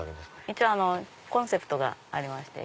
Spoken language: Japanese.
一応コンセプトがありまして。